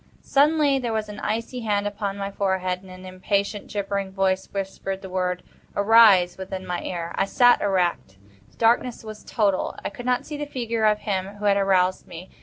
Suddenly there came an icy hand upon my forehead, and an impatient, gibbering voice whispered the word "Arise!" within my ear. I sat erect. The darkness was total. I could not see the figure of him who had aroused me.